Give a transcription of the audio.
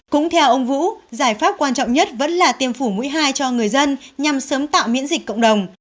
cũng theo ông vũ giải pháp quan trọng nhất vẫn là tiêm phủ mũi hai cho người dân nhằm sớm tạo miễn dịch cộng đồng